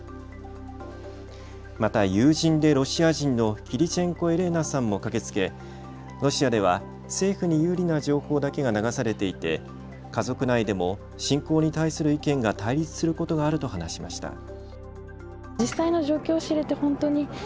また友人でロシア人のキリチェンコ・エレーナさんも駆けつけロシアでは政府に有利な情報だけが流されていて家族内でも侵攻に対する意見が対立することがあると話しました。